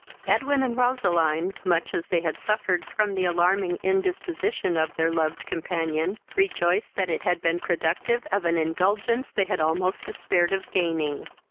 Edwin and Roseline, much as they had suffered from the alarming indisposition of their loved companion, rejoiced that it had been productive of an indulgence they had almost despaired of gaining.